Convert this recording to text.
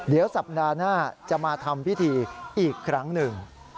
เดี๋ยวสัปดาห์หน้าจะมาทำพิธีอีกครั้งหนึ่ง